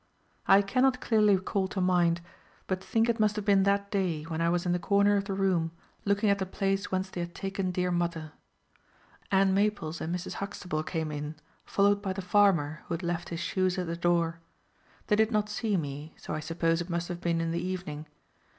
I cannot clearly call to mind, but think it must have been that day, when I was in the corner of the room, looking at the place whence they had taken dear mother. Ann Maples and Mrs. Huxtable came in, followed by the farmer, who had left his shoes at the door. They did not see me, so I suppose it must have been in the evening.